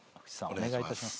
お願いいたします。